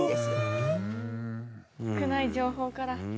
少ない情報から。